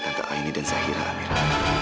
tante aini dan zahira amira